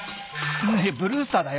ブルースターだよ。